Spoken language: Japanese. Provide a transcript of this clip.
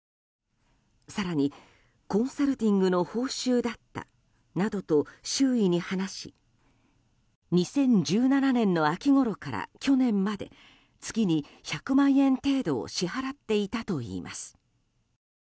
更に、コンサルティングの報酬だったなどと周囲に話し２０１７年の秋ごろから去年まで月に１００万円程度を支払っていたといいます。